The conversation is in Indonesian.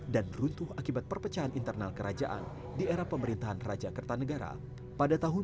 dan beruntuh akibat perpecahan internal kerajaan di era pemerintahan raja kerta negara pada tahun seribu dua ratus sembilan puluh dua